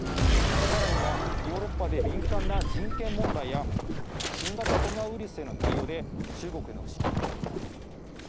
さらには、ヨーロッパで敏感な人権問題や、新型コロナウイルスへの対応で、中国への。